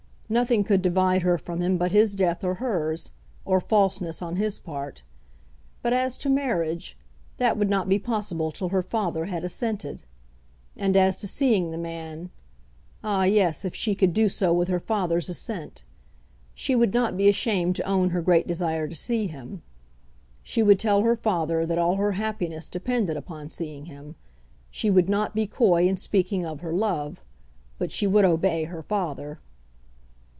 Nothing could divide her from him but his death or hers, or falseness on his part. But as to marriage, that would not be possible till her father had assented. And as to seeing the man, ah, yes, if she could do so with her father's assent! She would not be ashamed to own her great desire to see him. She would tell her father that all her happiness depended upon seeing him. She would not be coy in speaking of her love. But she would obey her father.